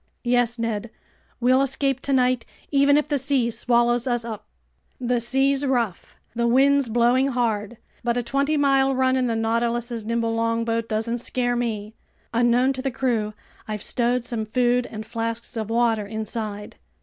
"Yes, Ned! We'll escape tonight even if the sea swallows us up!" "The sea's rough, the wind's blowing hard, but a twenty mile run in the Nautilus's nimble longboat doesn't scare me. Unknown to the crew, I've stowed some food and flasks of water inside."